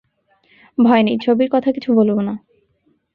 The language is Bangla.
ভয় নেই, ছবির কথা কিছু বলব না।